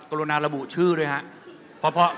ต้นรวดนาระบุชื่อด้วยคะ